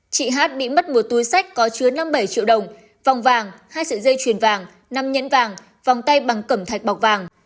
chị hát bị mất một túi sách có chứa năm mươi bảy triệu đồng vòng vàng hai sợi dây chuyền vàng năm nhẫn vàng vòng tay bằng cẩm thạch bọc vàng